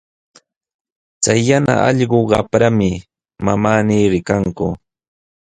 Chay yana allqu qamprami, manami rikanku.